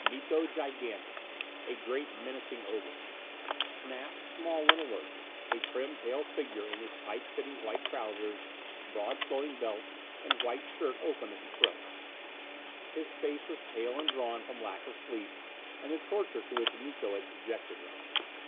Miko gigantic a great, menacing ogre. Snap small and alert a trim, pale figure in his tight fitting white trousers, broad flowing belt, and white shirt open at the throat. His face was pale and drawn from lack of sleep and the torture to which Miko had subjected him.